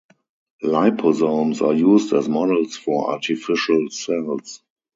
Liposomes are used as models for artificial cells.